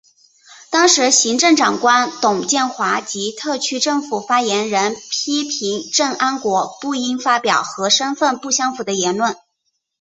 当时行政长官董建华及特区政府发言人批评郑安国不应发表和身份不相符的言论。